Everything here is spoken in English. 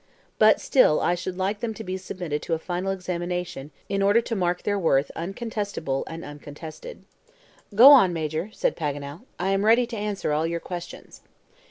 But still I should like them to be submitted to a final examination, in order to make their worth incontestable and uncontested." "Go on, Major," said Paganel; "I am ready to answer all your questions."